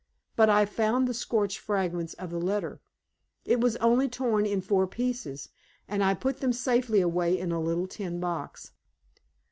But I found the scorched fragments of the letter it was only torn in four pieces and I put them safely away in a little tin box.